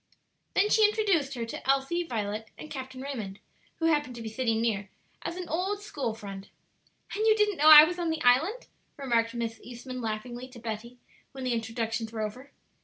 Then she introduced her to Elsie, Violet, and Captain Raymond, who happened to be sitting near, as an old school friend. "And you didn't know I was on the island?" remarked Miss Eastman laughingly to Betty, when the introductions were over.